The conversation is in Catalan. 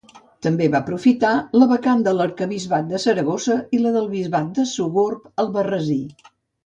També va aprofitar la vacant de l'arquebisbat de Saragossa i la del bisbat de Sogorb-Albarrasí.